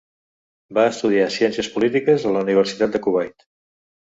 Va estudiar Ciències polítiques a la Universitat de Kuwait.